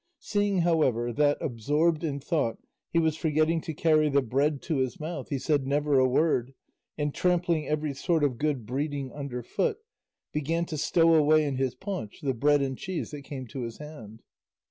Seeing, however, that, absorbed in thought, he was forgetting to carry the bread to his mouth, he said never a word, and trampling every sort of good breeding under foot, began to stow away in his paunch the bread and cheese that came to his hand.